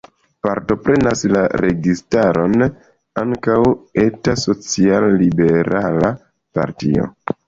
Partoprenas la registaron ankaŭ eta social-liberala partio.